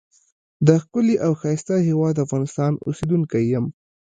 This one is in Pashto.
دښکلی او ښایسته هیواد افغانستان اوسیدونکی یم.